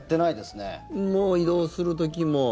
もう移動する時も。